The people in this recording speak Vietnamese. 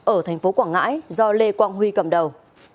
ở thành phố quảng ngãi do lê quang huy cầm đầu